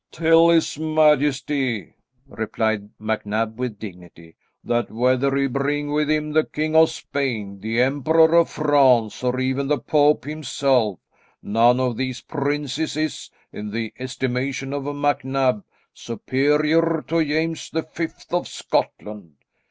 "Tell his majesty," replied MacNab with dignity, "that whether he bring with him the King of Spain, the Emperor of France, or even the Pope himself, none of these princes is, in the estimation of MacNab, superior to James the Fifth, of Scotland.